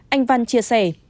anh văn chia sẻ